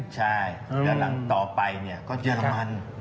แล้วต่อไปก็เยอร์มาน